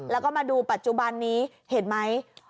แล้วก็มาดูปัจจุบันนี้เห็นไหม